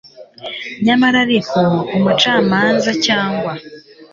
Nyamara ariko umucamanza cyangwa